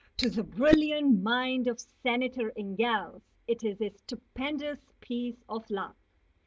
To the brilliant mind of Senator Ingalls it is a stupendous piece of luck.